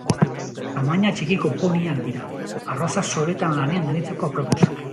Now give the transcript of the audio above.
Tamaina txikiko poniak dira, arroza-soroetan lanean aritzeko aproposak.